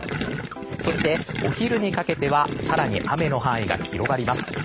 そしてお昼にかけては更に雨の範囲が広がります。